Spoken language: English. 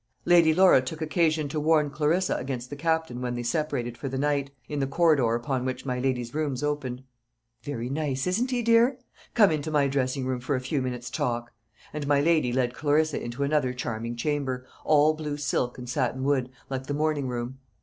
Lady Laura took occasion to warn Clarissa against the Captain when they separated for the night, in the corridor upon which my lady's rooms opened. "Very nice, isn't he, dear? Come into my dressing room for a few minutes' talk;" and my lady led Clarissa into another charming chamber, all blue silk and satin wood, like the morning room.